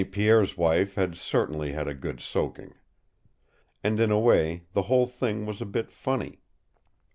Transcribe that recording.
Pierre's wife had certainly had a good soaking. And in a way the whole thing was a bit funny.